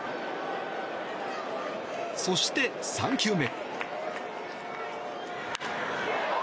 そして、３球目。